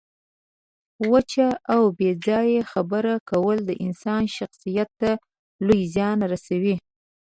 وچه او بې ځایه خبره کول د انسان شخصیت ته لوی زیان رسوي.